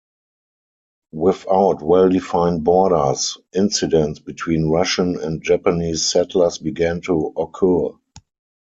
Without well-defined borders, incidents between Russian and Japanese settlers began to occur.